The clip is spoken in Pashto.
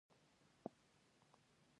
پابندی غرونه د افغانانو د ژوند طرز اغېزمنوي.